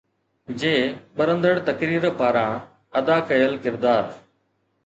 جي ٻرندڙ تقرير پاران ادا ڪيل ڪردار